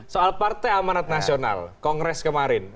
soal partai amanat nasional kongres kemarin